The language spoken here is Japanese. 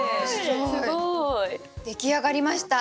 すごい！出来上がりました。